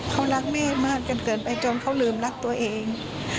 เขารักแม่มากจนเกินไปจนเขาลืมรักตัวเอง